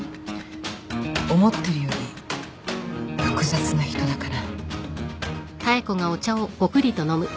思ってるより複雑な人だから。